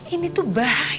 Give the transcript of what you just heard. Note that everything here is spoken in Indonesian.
ini tuh bahaya